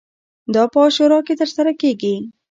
دا په عاشورا کې ترسره کیږي.